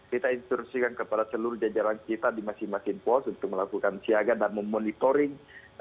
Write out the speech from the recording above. kita instruksikan kepada seluruh jajaran kita di masing masing pos untuk melakukan siaga dan memonitoring